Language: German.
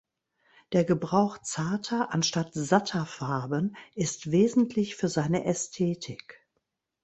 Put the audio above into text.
Der Gebrauch zarter anstatt satter Farben ist wesentlich für seine Ästhetik.